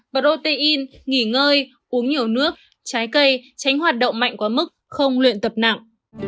protein nghỉ ngơi uống nhiều nước trái cây tránh hoạt động mạnh quá mức không luyện tập nặng